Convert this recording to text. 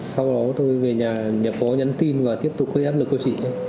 sau đó tôi về nhà nhập có nhắn tin và tiếp tục gây áp lực cho chị